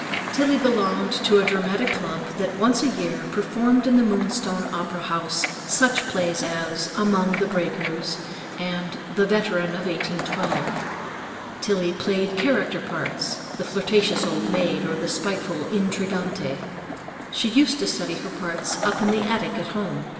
Tillie belonged to a dramatic club that once a year performed in the Moonstone Opera House such plays as "Among the Breakers," and "The Veteran of 1812." Tillie played character parts, the flirtatious old maid or the spiteful intrigante. She used to study her parts up in the attic at home.